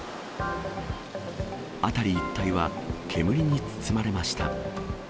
辺り一帯は、煙に包まれました。